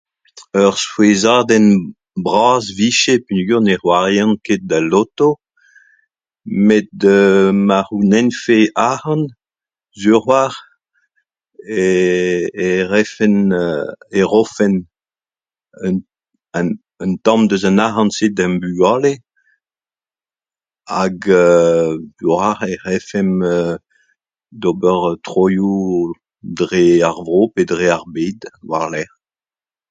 Ur souezhadenn bras vije peogwir ne c'hoarian ket d'al loto, met ma c'hounezfe arc'hant, sur-walc'h e refen, e rofen un tamm deus an arc'hant se d'am bugale hag sur a-walc'h e refemp d'ober troioù dre ar vro pe dre ar bed war-lerc'h